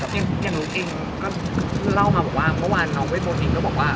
อย่างหนูเองก็เพิ่งเล่ามาบอกว่าเมื่อวานน้องเวทโฟเองก็บอกว่า